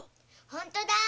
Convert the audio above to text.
本当だ。